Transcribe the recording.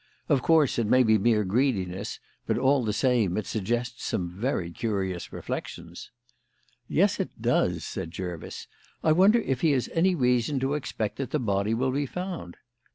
Of course, it may be mere greediness, but all the same, it suggests some very curious reflections." "Yes, it does," said Jervis. "I wonder if he has any reason to expect that the body will be found?